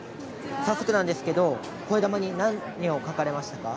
早速なんですけどこえだまに何を書きましたか？